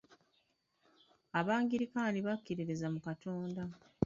Ab'agirikaani bakkiririza mu Katonda.